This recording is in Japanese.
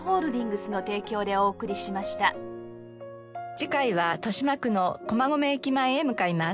次回は豊島区の駒込駅前へ向かいます。